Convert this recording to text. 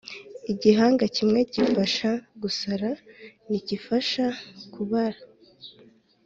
Igihanga kimwe kifasha gusara ntikifasha kubara